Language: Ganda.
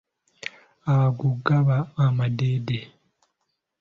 Ago gaba amadeede.